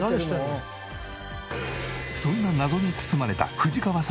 そんな謎に包まれた藤川様の今を。